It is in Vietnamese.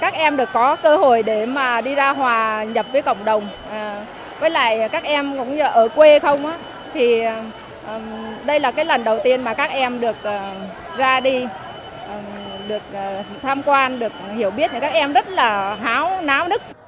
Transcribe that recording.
thì đây là cái lần đầu tiên mà các em được ra đi được tham quan được hiểu biết các em rất là háo náo nức